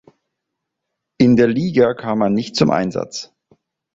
In der Liga kam er nicht zum Einsatz.